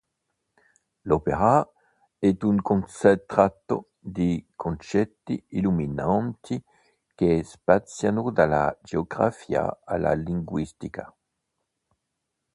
L'opera è un concentrato di concetti illuminanti che spaziano dalla geografia alla linguistica.